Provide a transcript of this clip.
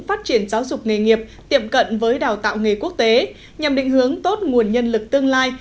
phát triển giáo dục nghề nghiệp tiệm cận với đào tạo nghề quốc tế nhằm định hướng tốt nguồn nhân lực tương lai